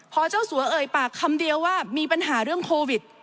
พอเจ้าสัวเอ่ยปากคำเดียวว่ามีปัญหาเรื่องโควิด